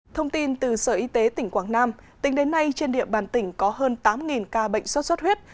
thông tin từ sở y tế tỉnh quảng nam tính đến nay trên địa bàn tỉnh có hơn tám ca bệnh sốt xuất huyết